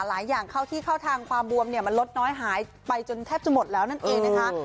อย่างเข้าที่เข้าทางความบวมเนี่ยมันลดน้อยหายไปจนแทบจะหมดแล้วนั่นเองนะคะ